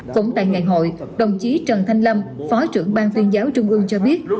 cũng tại ngày hội đồng chí trần thanh lâm phó trưởng ban tuyên giáo trung ương cho biết